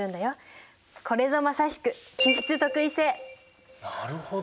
これぞまさしくなるほど。